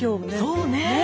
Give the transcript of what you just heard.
そうね。